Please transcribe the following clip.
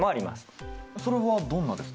それはどんなですか？